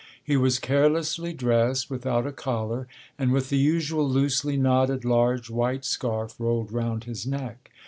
He was carelessly dressed, without a collar, and with the usual loosely knotted large white scarf rolled round his neck.